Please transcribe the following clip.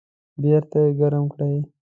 بیرته یې ګرم کړئ